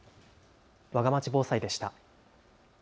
わがまち防災でした。